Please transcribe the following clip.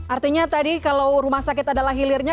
artinya tadi kalau rumah sakit adalah hilirnya